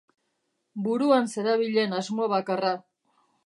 Buruan zerabilen asmo bakarra.